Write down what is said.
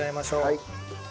はい。